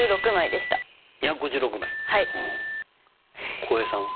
浩平さんは？